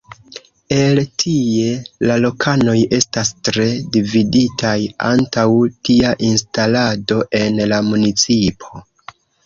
El tie la lokanoj estas tre dividitaj antaŭ tia instalado en la municipo.